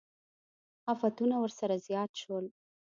افتونه ورسره زیات شول.